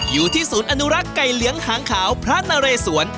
อยู่ที่ศูนย์อนุรักษ์ไก่เหลืองหางขาวพระนเรสวน